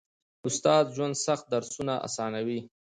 استاد د ژوند سخت درسونه اسانوي.